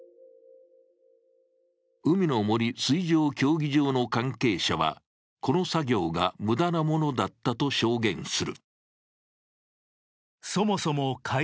海の森水上競技場の関係者はこの作業が無駄なものだったと証言する。